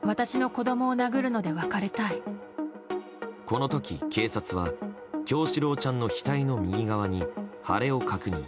この時、警察は叶志郎ちゃんの額の右側に腫れを確認。